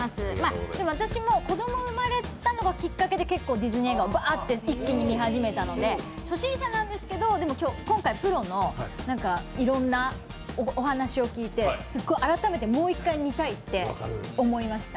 私も子供が生まれのがきっかけでティズニー映画を一気に見始めたので初心者なんですけれども、今回プロのいろんなお話を聞いて、改めて、もう一回見たいって思いました。